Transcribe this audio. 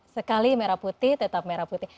sekali merah putih tetap merah putih